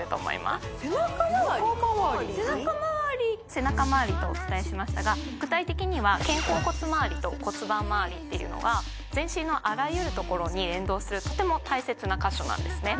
背中まわりとお伝えしましたが具体的には肩甲骨まわりと骨盤まわりっていうのが全身のあらゆるところに連動するとても大切な箇所なんですね